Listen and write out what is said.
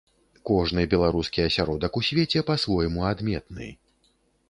Кожны беларускі асяродак у свеце па-свойму адметны.